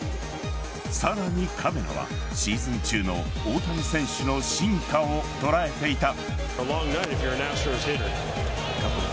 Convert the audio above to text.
さらにカメラはシーズン中の大谷選手の進化を捉えていた。